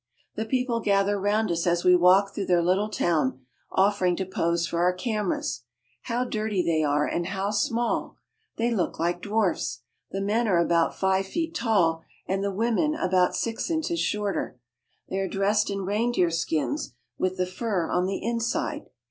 The people gather round us as we walk through their little town, offering to pose for our cameras. How dirty they are and how small ! They look like dwarfs. The men are about five feet tall and the women about six inches shorter. They are dressed in reindeer skins with the fur on the inside.